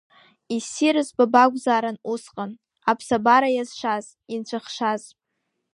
Иссирыз ба бакәзаарын усҟан, аԥсабара иазшаз, инцәахшаз.